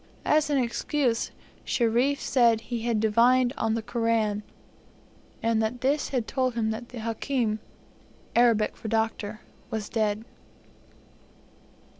As an excuse, Sherif said he had divined on the Koran, and that this had told him the Hakim (Arabic for Doctor) was dead.